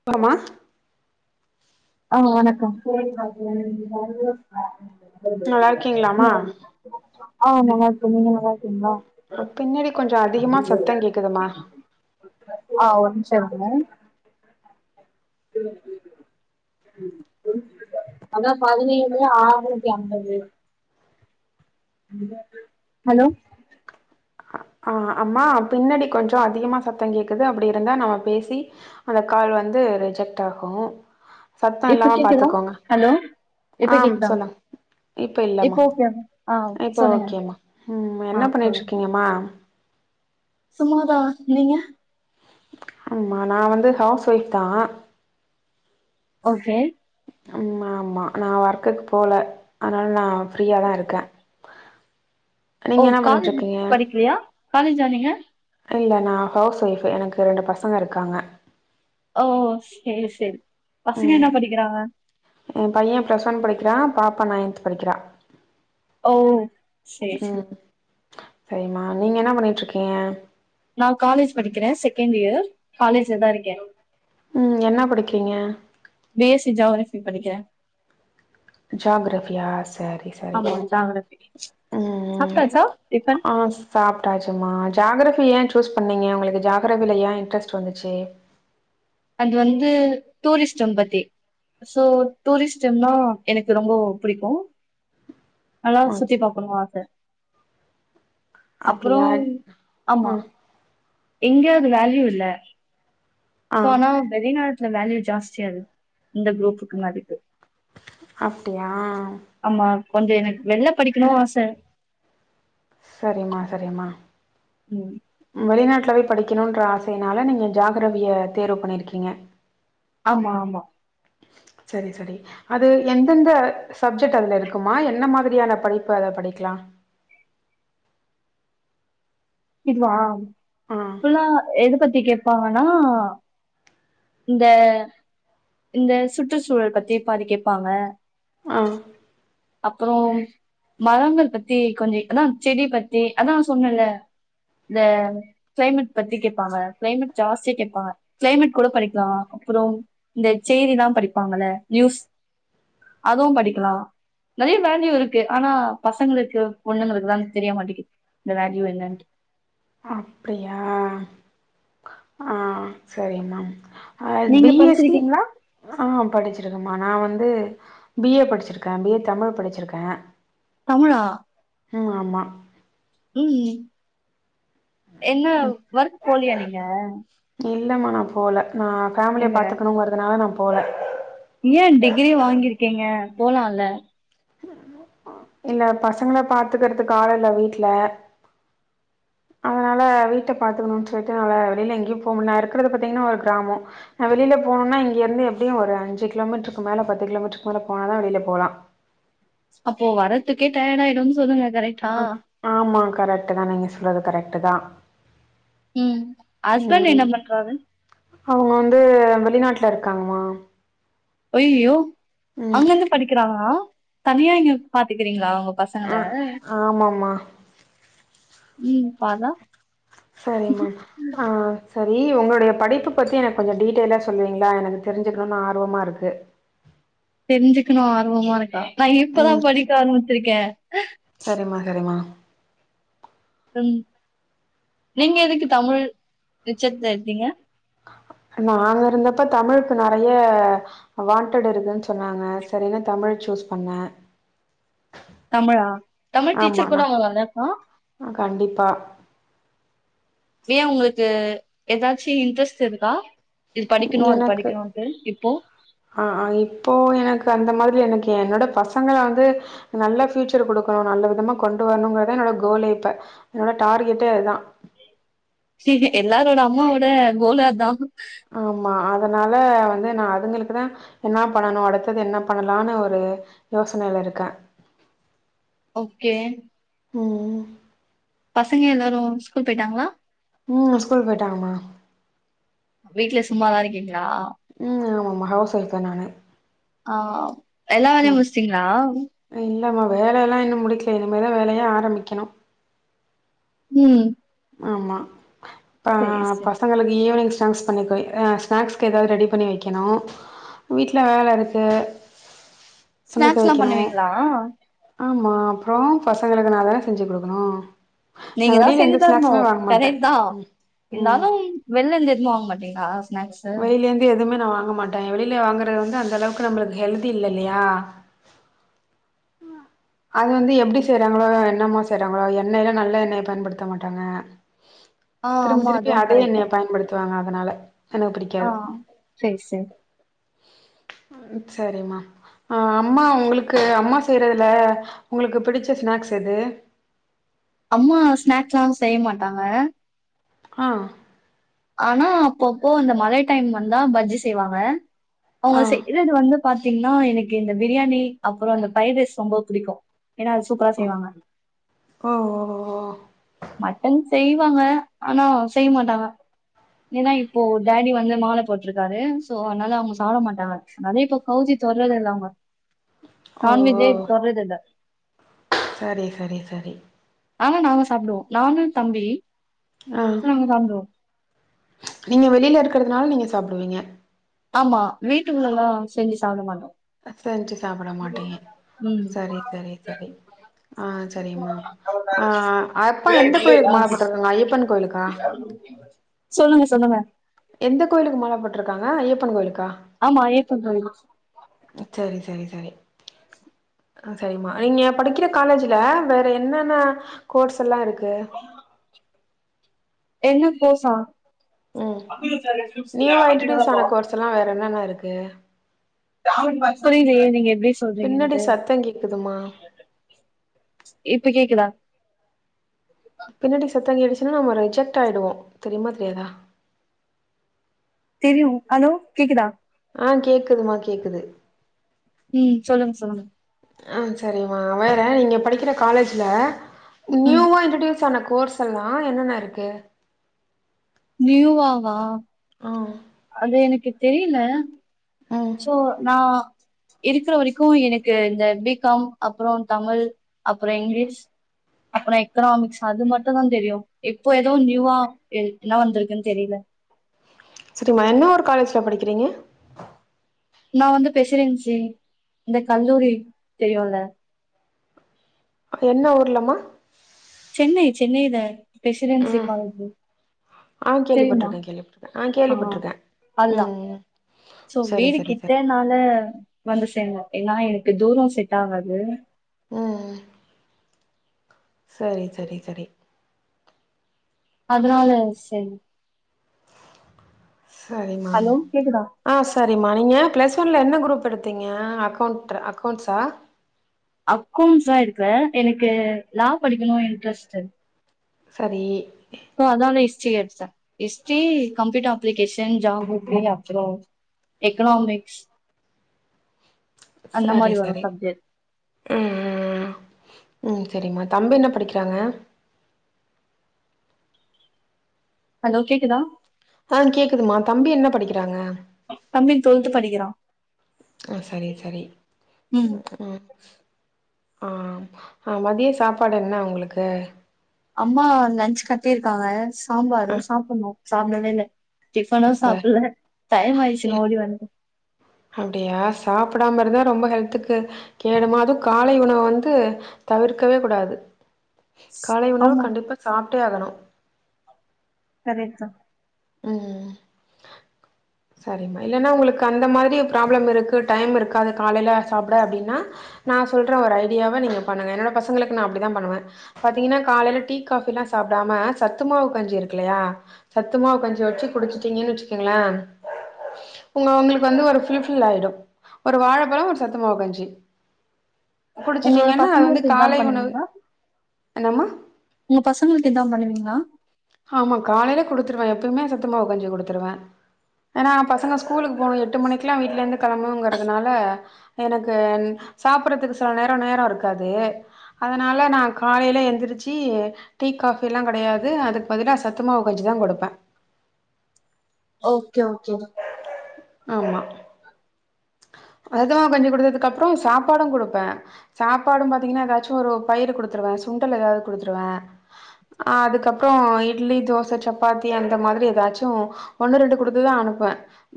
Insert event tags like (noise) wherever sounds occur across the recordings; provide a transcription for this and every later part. அப்பறமா ஆ வணக்கோ நல்லா இருக்கீங்களாமா ஆ நல்லாருக் நீங்க நல்லா இருக்கீங்களா பின்னாடி கொஞ்சோ அதிகமா சத்தோ கேக்குதுமா ஆ ஒரு நிமிசோ இருங்க (inaudible) அதா பதினேழு ஆறுநூத்தி அம்பது ஹலோ ஆ அம்மா பின்னாடி கொஞ்சோ அதிகமா சத்தோ கேக்குது அப்டி இருந்தா நம்ம பேசி அந்த கால் வந்து ரிஜெக்ட் ஆகு சத்தோ இப்ப இல்லாம கேக்குதா பாத்துக்கோங்க ஹலோ ஆ இப்ப கேக்குதா சொல்லுங்க இப்ப இல்லம்மா ஓகே ஆ இப்ப சொல்லுங்க ஓகேமா ம் ஆ என்ன பண்ணிட்டு சொல்லுங்க இருக்கீங்கம்மா சும்மாதா நீங்க ஆமா நா வந்து ஹவுஸ் ஒய்ஃப் தான் ஓகே ஆமா ஆமா நா ஒர்க்குக்கு போல அதனால நா ஃப்ரீயாதா இருக்கே ஓ நீங்க என்ன காலேஜ் பண்ணிட்ருக்கீங்க படிக்கலையா காலேஜ்ஜா நீங்க இல்ல நா ஹவுஸ் ஒய்ஃபு எனக்கு ரெண்டு பசங்க இருக்காங்க ஓ சேரி சேரி பசங்க என்ன படிக்கிறாங்க எ பைய பிளஸ் ஒன் படிக்கிறான் பாப்பா நைன்த் படிக்கிறா ஓ சேரி சேரி சரிமா நீங்க என்ன பண்ணிட்ருக்கீங்க நா காலேஜ் படிக்கிறே செகண்ட் இயர் காலேஜ்லதா இருக்கே ம் என்னா படிக்கீங்க பி எஸ் சி ஜாக்ரஃபி படிக்கிற ஜாக்ரஃபியா சேரி ஆமா ஜாகிரஃபி சாப்டாச்சா டிபன் சாப்டாச்சுமா ஜாகிரஃபி ஏ சூஸ் பண்ணீங்க உங்ளுக்கு ஜாகிரஃபியில ஏ இன்ட்ரெஸ்ட் வந்துச்சு அது வந்து டூரிஸ்ட் டவுன் பத்தி சோ டூரிஸ்டுன்னா எனக்கு ரொம்ப புடிக்கு நல்லா ஓகே சுத்தி பாக்கணு ஆச அப்புறோ அப்டியா ஆமா ம் எங்கியோ அது வேல்யூ இல்ல ஆ சோ ஆனா வெளிநாட் வேல்யூ ஜாஸ்தியது இந்த குரூப்புக்கு மதிப்பு அப்டியா ஆமா கொஞ்ச எனக் வெள்ள படிக்குணு ஆச சரிம்மா சரிம்மா ம் வெளிநாட்லேவேய் படிக்கணூன்ற ஆசையினால நீங்க ஜாகிரவிய தேர்வு பண்ணிருக்கீங்க ஆமா ஆமா சரி சரி அது எந்தெந்த சப்ஜெட் அதுல இருக்குமா என்ன மாதிரியான படிப்பு அத படிக்லா இதுவா ஆ ஃபுல்ல எது பத்தி கேப்பாங்கன்னா இந்த இந்த சுற்றுச்சூழல் பத்தி பாதி கேப்பாங்க ஆ அப்புறோம் மரங்கள் பத்தி கொஞ்ச இக்னா செடி பத்தி அதா சொன்னேல்ல இந்த கிளைமெட் பத்தி கேப்பாங்க கிளைமெட் ஜாஸ்தி கேட்பாங்க கிளைமெட் கூட படிக்லா அப்புறோ இந்த செய்தி தா படிப்பாங்கள நியூஸ் அதுவு படிக்லா நெறைய வேல்யூ இருக்கு ஆனா பசங்ளுக்கு பொண்ணுங்களுக்குதா தெரிய மாட்டிக்கி இந்த வேல்யூ என்னன்ட்டு ஆ அப்டியா சரிமா அ நீங்க பி எஸ் சி படிச்சிருக்கீங்களா ஆ படிச்சிருக்கமா நா வந்து பி ஏ படிச்சிருக்கே பி ஏ தமிழ் படிச்சிருக்கே தமிழா ம் ஆமா ம் என்ன வர்க் போலியா நீங்க இல்லமா நா போல நா ஃபேமிலிய இல்ல பாத்துக்குணுங்கிறதுனால நா போல ஏ டிகிரி வாங்கிருக்கீங்க போலாலே இல்ல பசங்ல பாத்துக்கிற்துக்கு ஆள்ளில்ல வீட்ல (inaudible) அதனால வீட்ட பாத்துக்குணுன் சொல்ட்டு நால வெளியில எங்கியு போமுல்ல நா இருக்கிறது பாத்தீங்கன்னா ஒரு கிராமோ நா வெளியில போனுனா இங்கிருந்து எப்டியு ஒரு அஞ்சு கிலோமீட்ருக்கு மேல பத்து கிலோமீட்ருக்கு மேல போனாதா வெளில போலா அப்போ வரதுக்கே டயர்டாயிடுன்னு சொல்லுங்க கரெட் அ ஆமா கரெக்ட்டுதா நீங்க சொல்றது கரெக்ட்டுதா ம் ஹஸ்பண்ட் என்ன பண்றாரு அவங்க வந்து வெளிநாட்ல இருக்காங்கமா ஐய்யோ ம் அங்கந்து படிக்கிறாங்களா தனியா இங்க பாத்துக்கிறீங்களா உங்க பசங்கள ஆ ஆமாம்மா ம் பார்ரா செரிமா ஆ செரி உங்களுடைய படிப்பு பத்தி எனக்கு கொஞ்சோ டீட்டெய்லா சொல்லுவீங்களா எனக்கு தெரிஞ்சுக்கணுன் ஆர்வமாருக்கு தெரிஞ்சுக்கணு ஆர்வமாருக்கா நா இப்பதா ம் படிக்க ஆரம்பிச்சிருக்கே சரிம்மா சரிம்மா ம் நீங்க எதுக்கு தமிழ் லிட்ச்சத்ல எடுத்தீங்க நாங்க இருந்தப்ப தமிழுக்கு நறைய அ வாண்டட் இருக்குன்னு சொன்னாங்க சரினு தமிழ் ஜுஸ் பண்ணே தமுழா தமிழ் டீச்சர் கூட ஆமாண்ணா அவங்க (unintelligible) கண்டிப்பா ஏ உங்களுக்கு ஏதாச்சி இன்ட்ரெஸ்ட் இருக்கா இது படிக்கணோ அது எனக்கு படிக்கணோன்ட்டு இப்போ ஆ ஆ இப்போ எனக்கு அந்த மாரி எனக்கு என்னோட பசங்கள வந்து நல்லா ஃப்யூச்சர் குடுக்கணு நல்ல விதமா கொண்டு வரணுங்கறதா என்னோட கோலே இப்ப என்னோட டார்கெட்டே அதா எல்லாரோட அம்மாவோட கோலு அதா ஆமா அதனால வந்து நா அதுங்களுக்குதா என்னா பண்ணோ அடுத்தது என்ன பண்ணலான்னு ஒரு யோசனையில இருக்கே ஓகே ம் பசங்க எல்லாரு ஸ்கூல் போயிட்டாங்களா ம் ஸ்கூல் போயிட்டாங்கம்மா வீட்ல சும்மாதா இருக்கீங்களா ம் ஆமா ஆமா ஹவுஸ் வைஃப் தா நானு ஆ எல்ல வேலையு ம் முஸ்டீங்களா இல்லம்மா வேலையெல்லா இன்னு முடிக்கல இனிமே தா வேலையே ஆரம்பிக்கணு ம் ஆமா ப சேரி சேரி பசங்களுக்கு ஈவினிங் ஸ்னாக்ஸ் பண்ணிக்குவே அ ஸ்நாக்ஸ்க்கு ஏதாவது ரெடி பண்ணி வைக்கணோ வீட்ல வேலருக்கு துணி ஸ்நாக்ஸ்லா தொவைக்கணோ பண்ணுவீங்களா ஆமா அப்றோ பசங்களுக்கு நா தான செஞ்சி குடுக்கணோ நீங்க தா செஞ்சி தரணோ கரெக்ட்தா ம் ம் இருந்தாலும் வெள்லந்து எதுவு வாங்க மாட்டீங்களா ஸ்நாக்ஸ் வெளியிலந்து எதுவுமே நா வாங்க மாட்டே வெளியில வாங்கறது வந்து அந்த அளவுக்கு நம்மளுக்கு ஹெல்தி இல்ல இல்லையா அது வந்து எப்டி செய்றாங்களோ என்னமோ செய்யறாங்களோ எண்ணெய்ல்லா நல்ல எண்ணெயை பயன்டுத்த மாட்டாங்க ஆ திரும்பி ஆமா திருப்பி அதுவு அதே கரெக்ட் தா எண்ணெய பயன்படுத் துவாங்க அதனால எனக்கு ஆ பிடிக்காது சேரி சேரி ம் செரிம்மா ஆ அம்மா உங்களுக்கு அம்மா செய்யறதுல உங்களுக்கு பிடிச்ச ஸ்னாக்ஸ் எது அம்மா ஸ்நாக்ஸ்லா செய்ய மாட்டாங்க ஆ ஆனா அப்பப்போ அந்த மழை டைம் வந்தா பஜ்ஜி செய்வாங்க அவுங்க ஆ செய்றது வந்துப் பாத்தீங்ன்னா எனக்கு இந்த பிரியாணி அப்றோ அந்த ஃப்ரைட் ரைஸ் ரொம்ப புடிக்கு ஏன்னா அது சூப்பரா செய்வாங்க ஓ ஓ ஓ மட்டன் செய்வாங்க ஆனா செய்ய மாட்டாங்க ஏன்னா இப்போ டாடி வந்து மால போட்ருக்காரு சோ அதுனால அவுங்க சாப்ட மாட்டாங்க நெறைய இப்போ கவுச்சி தொட்றது இல்ல அவுங்க ஓ நான்வெஜ்யே தொட்றது இல்ல செரி செரி செரி ஆனா நாங்க சாப்டுவோ நானு தம்பி ஆ ஆ நாங்க சாப்டுவோ நீங்க வெளியில இருக்குறதுனால நீங்க சாப்டுவீங்க ஆமா வீட்டுக்குள்ளலா செஞ்சு சாப்ட மாட்டோம் செஞ்சு சாப்ட மாட்டீங்க ம் சரி சரி சரி ஆ சரிம்மா ஆ அப்பா எந்த கோயிலுக்கு மால (unintelligible) போட்ருக்காங்க ஐயப்பன் கோயிலுக்கா சொல்லுங்க சொல்லுங்க எந்த கோயிலுக்கு மால போட்ருக்காங்க ஐயப்பன் கோயிலுக்கா ஆமா ஐயப்பன் கோயில் செரி சரி சரி அ சரிம்மா நீங்க படிக்கிற காலேஜுல வேற என்னென்ன கோர்ஸ் எல்லா இருக்கு என்ன கோர்ஸ்சா ம் (unintelligible) அஞ்சு நாளா கோவம் இதல்லா வேற என்னென்ன இருக்கு (unintelligible) நீங்க எப்டி பின்னாடி சொல்றீங்கென்ட்டு சத்தம் கேக்குதுமா இப்ப கேக்குதா பின்னாடி சத்தோ கேட்டுச்சுன்னா நம்ம ரிஜெக்ட் ஆய்டுவோ தெரியுமா தெரியாதா தெரியு ஹலோ கேக்குதா ஆ கேக்குதுமா கேக்குது ம் சொல்லுங்க சொல்லுங்க அ செரிம்மா வேற நீங்க படிக்கிற காலேஜுல ம் நியூவா இன்டர்டியூஸ் ஆன கோர்ஸ் எல்லா என்னென்ன இருக்கு நியூவா வா ஆ அது எனக்கு தெரியில ம் சோ நா இருக்குற வரைக்கு எனக்கு இந்த பி காம் அப்பறோ தமிழ் அப்பறோ இங்லீஷ் அப்பறோ எக்கனாமிக்ஸ் அது மட்டுந்தா தெரியும் இப்போ எதுவு நியூவா எ என்ன வந்துருக்குன்னு தெரியில சரிம்மா என்ன ஊரு காலேஜுல்ல படிக்கிறீங்க நா வந்து பெசிடென்சி இந்த கல்லூரி தெரியுல்ல என்ன ஊர்லம்மா சென்னை சென்னையில ப்ரெசிடென்சி ம் காலேஜு ஆ தெரியுமா கேள்விப்பட்ருக்கே கேள்விப்பட்ருக்கே அ ஆ கேள்விப்பட்ருக்கே அதுதா ம் சோ சரி வீடு சரி சரி கிட்டனால ல வந்து சேந்தோ ஏன்னா எனக்கு தூரம் செட் ஆகாது ம் ம் சரி சரி சரி அதனால செரி சரிமா ஹலோ கேக்குதா ஆ சரிம்மா நீங்க ப்ளஸ் ஒன்ல என்ன குரூப் எடுத்தீங்க அக்கௌண்ட்ர அக்கௌண்ட்ஸா அக்கோண்ஸ் தா எடுத்தே எனக்கு லா படிக்கணு இன்ட்ரெஸ்ட் சரி சோ அதனால ஹிஸ்ட்ரி எடுத்த ஹிஸ்ட்ரி கம்ப்யூட்டர் அப்ளிகேஷன் ஜாவோ (unintelligible) அப்றோ எக்கனாமிக்ஸ் அந்த சரி மாரி வரு சரி சப்ஜெக்ட் ம் ம் ம் சரிம்மா தம்பி என்ன படிக்கிறாங்க ஹலோ கேக்குதா ஆ கேக்குதுமா தம்பி என்ன படிக்கிறாங்க தம்பி டுவெல்த் படிக்கிறா ஆ சரி சரி ம் ம்க்ம் ஆ அ மதிய சாப்பாடு என்ன உங்களுக்கு அம்மா லஞ்ச் கட்டிருக்காங்க சாம்பாரு ஆ சாப்புன்ணு சாப்டவே இல்ல டிஃபனு ச சாப்பில்ல டைம் ஆ ஆயிட்ச்சின் ஓடி வந்த அப்டியா சாப்டாம இருந்தா ரொம்ப ஹெல்த்துக்கு கேடுமா அது காலை உணவு வந்து தவிர்க்கவே கூடாது காலை உணவு ஆமா கண்டிப்பா சாப்ட்டே ஆகணு கரெட் தா ம் சரிம்மா இல்லனா உங்களுக்கு அந்த மாதிரி ப்ராப்ளம் இருக்கு டைம் இருக்காது காலைல சாப்ட அப்படின்னா நா சொல்ற ஒரு ஐடியாவா நீங்க பண்ணுங்க என்னோட பசங்களுக்கு நா அப்டிதா பண்ணுவே பாத்தீங்கனா காலைல டீ காபி எல்லா சாப்டாம சத்துமாவு கஞ்சி இருக்குல்லையா சத்துமாவு கஞ்சி வச்சி குடிச்சிட்டீங்கன் வச்சிக்கங்களே உங்க உங்களுக்கு வந்து ஒரு ஃபுல் ஃபில் ஆயிடு ஒரு வாழப்பழோ ஒரு சத்துமாவு கஞ்சி (inaudible) உங்களோட குடிச்சிட்டீங்கன்னா அது வந்து பசங்களுக்கு இத்தா காலை உணவு பண்ணுவீங்ளா என்னம்மா உங்க பசங்களுக்கு இத்தா பண்ணுவீங்ளா ஆமா காலையில குடுத்துருவே எப்பியுமே சத்துமாவு கஞ்சி கொடுத்துருவே ஏனா பசங்க ஸ்கூலுக்கு போணு எட்டு மணிக்லா வீட்லந்து கெளம்பணுங்கிறதுனால எனக்கு சாப்புறதுக்கு சில நேரோ நேரோ இருக்காது அதனா நா காலையில எந்திரிச்சி டீ காஃபியிலா கெடையாது அது பாத்தினா சத்துமாவு காஞ்சி தா கொடுப்பே ஓகே ஓகே மா ஆமா சத்து மாவு காஞ்சி குடுத்ததுக்கு அப்புறோ சாப்பாடு குடுப்பே சாப்பாடு பாத்தீங்கனா ஏதாச்சு ஒரு பயிரு குடுத்துருவே சுண்டல் ஏதாவது குடுத்துருவே அ அதுக்கப்புறோ இட்லி தோச சப்பாத்தி அந்த மாதிரி ஏதாச்சு ஒண்ணு ரெண்டு குடுத்துதா அனுப் ப்ப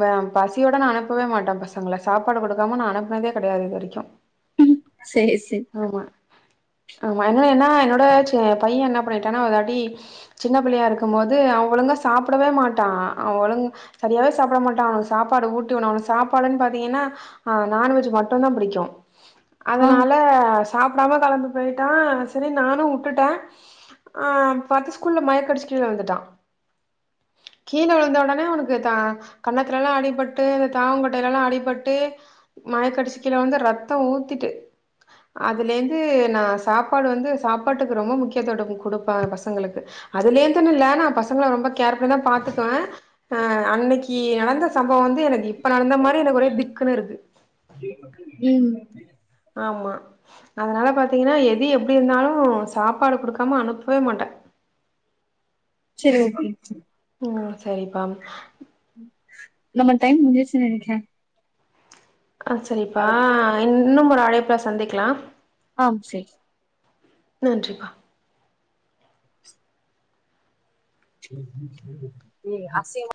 மே பசியோட நா அனுப்பவே மாட்டே பசங்கள சாப்பாடு கொடுக்காம நா அனுப்னதே கெடையாது இது வரைக்கு சேர் சேர் ஆமா ஆமா என்னோட என்ன என்னோட சே பைய என்ன பண்ணிட்டானா ஒரு வாட்டி சின்ன பிள்ளையா இருக்கு போது அவ ஒழுங்க சாப்டவே மாட்டா அவ ஒழுங் சரியாவே சாப்ட மாட்டா அவனுக்கு சாப்பாடு ஊட்டிவுனு அவன சாப்பாடுன் பாத்தீங்கனா அவ நான்வெஜ் மட்டு தா புடிக்கு ஆ அதனால சாப்டாம கெளம்பி போயிட்டா சேரி நானு வுட்டுட்டே ஆ பாத்த ஸ்கூல்ல மயக்க அடிச்சுட்டு கீழே விழுந்துட்டா கீழே விழுந்த உடனே அவனுக் கு தா கன்னத்துல எல்லா அடிபட்டு தாவங்கொட்டையில எல்லா அடிபட்டு மாயக்கோ அடிச்சி கிழவிழுந்து ரத்தம் ஊத்திட்டு அதுலேருந்து நா சாப்பாடு வந்து சாப்பாட்டுக்கு ரொம்ப முக்கியத்துடம் கொடுப்பே பசங்களுக்கு அதுலேந்துனு இல்ல நா பசங்கள ரொம்ப கேர்ஃபுல் தா பாத்துக்குவே ஆ அன்னைக்கு நடந்த சம்பவோ வந்து எனக்கு இப்ப நடந்த மாரி எனக்கு ஒரே திக்குன்னு இருக்கு ம் ஆமா அதனால பாத்தீங்கன்னா எது எப்டி இருந்தாலு சாப்பாடு கொடுக்காம அனுப்பவே மாட்டே சேரி ஓகே ம் சேரிப்பா நம்ம டைம் முஞ்சிருச்சுனு நெனைக்கிறே ஆ சேரிப்பா இன்னு ஒரு அழைப்புல சந்திக்கலா ஆம் சேரி நன்றிப்பா (unintelligible) எ ஆசையா தா